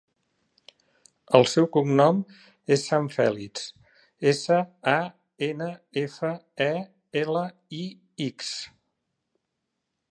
El seu cognom és Sanfelix: essa, a, ena, efa, e, ela, i, ics.